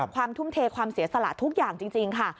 ทุ่มเทความเสียสละทุกอย่างจริงค่ะ